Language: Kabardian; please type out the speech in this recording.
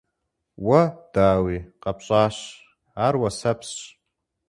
Уэ, дауи, къэпщӀащ — ар уэсэпсщ.